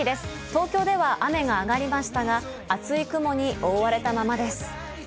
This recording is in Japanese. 東京では雨があがりましたが厚い雲に覆われたままです。